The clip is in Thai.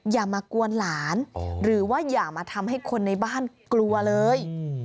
อย่ามากวนหลานหรือว่าอย่ามาทำให้คนในบ้านกลัวเลย